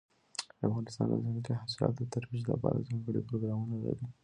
افغانستان د ځنګلي حاصلاتو د ترویج لپاره ځانګړي پروګرامونه لري.